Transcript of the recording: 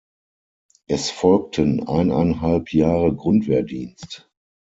Es folgten eineinhalb Jahre Grundwehrdienst.